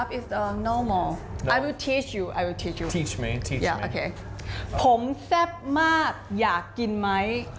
ผมแซ่บมากอยากกินไหม